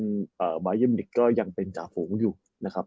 แต่บายันกำลังจะยังเป็นจาฟงอยู่นะครับ